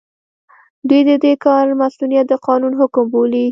دوی د دې کار مصؤنيت د قانون حکم بولي.